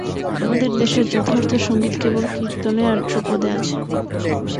আমাদের দেশের যথার্থ সঙ্গীত কেবল কীর্তনে আর ধ্রুপদে আছে।